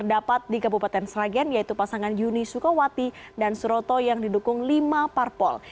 dapat di kabupaten sragen yaitu pasangan yuni sukawati dan suroto yang didukung lima parpol